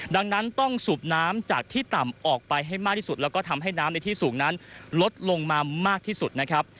ดังนั้นต้องสูบน้ำจากที่ต่ำออกไปให้มากที่สุดแล้วก็ทำให้น้ำในที่สูงนั้นลดลงมามากที่สุดนะครับ